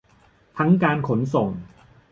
ทั้งการขนส่ง